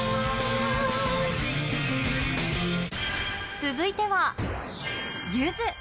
続いては、ゆず。